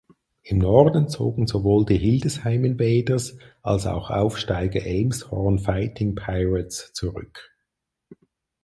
Im Norden zogen sowohl die Hildesheim Invaders als auch Aufsteiger Elmshorn Fighting Pirates zurück.